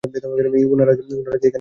উনার কি এখানে আসার অনুমতি আছে?